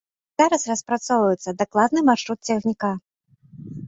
Зараз распрацоўваецца дакладны маршрут цягніка.